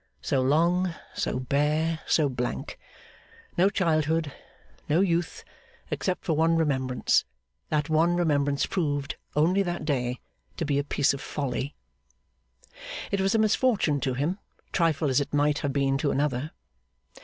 So long, so bare, so blank. No childhood; no youth, except for one remembrance; that one remembrance proved, only that day, to be a piece of folly. It was a misfortune to him, trifle as it might have been to another.